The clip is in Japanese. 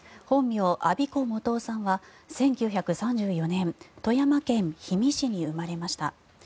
本名・安孫子素雄さんは１９３４年富山県氷見市に生まれました。